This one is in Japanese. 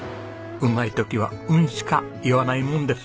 うまい時は「うん」しか言わないもんです。